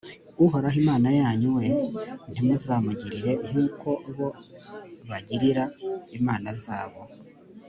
uhoraho imana yanyu, we ntimuzamugirire nk’uko bo bagiriraga imana zabo;